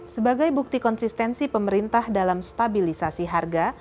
sebagai bukti konsistensi pemerintah dalam stabilisasi harga